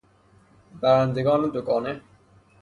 برندگان دوگانه